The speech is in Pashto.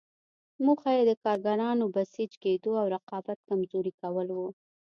موخه یې د کارګرانو بسیج کېدو او رقابت کمزوري کول وو.